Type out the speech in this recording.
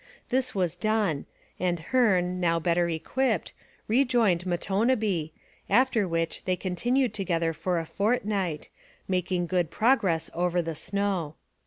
This was done and Hearne, now better equipped, rejoined Matonabbee, after which they continued together for a fortnight, making good progress over the snow.